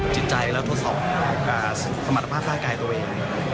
จิตใจแล้วทดสอบสมรรถภาพร่างกายตัวเอง